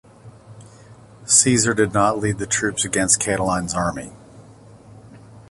Caesar did not lead the troops against Catiline's army.